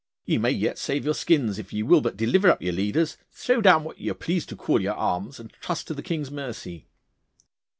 Ye may yet save your skins if ye will but deliver up your leaders, throw down what ye are pleased to call your arms, and trust to the King's mercy.